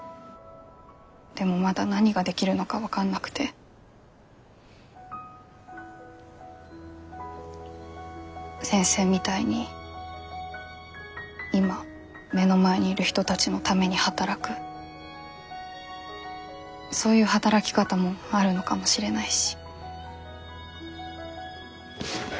でもまだ何ができるのか分かんなくて先生みたいに今目の前にいる人たちのために働くそういう働き方もあるのかもしれないし。